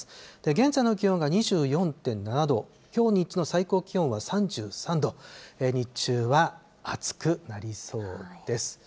現在の気温が２４．７度、きょう日中の最高気温は３３度、日中は暑くなりそうです。